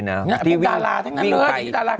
นั่นตรงตาลาทั้งนั้นเหรอ